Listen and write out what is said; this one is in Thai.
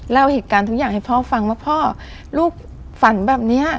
เล่าเหตุการณ์ทุกอย่างให้พ่อฟังว่าพ่อลูกฝันแบบนี้